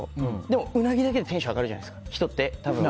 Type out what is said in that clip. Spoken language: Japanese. でも、人ってウナギだけでテンション上がるじゃないですか。